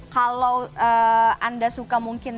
kalau anda suka mungkin